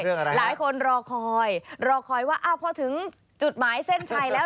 อะไรหลายคนรอคอยรอคอยว่าอ้าวพอถึงจุดหมายเส้นชัยแล้ว